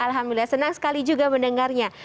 alhamdulillah senang sekali juga mendengarnya